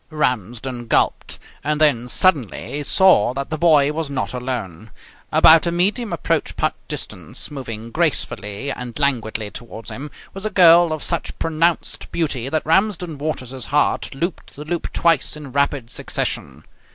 Ramsden gulped. And then suddenly he saw that the boy was not alone. About a medium approach putt distance, moving gracefully and languidly towards him, was a girl of such pronounced beauty that Ramsden Waters's heart looped the loop twice in rapid succession.